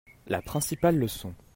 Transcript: La principale leçon.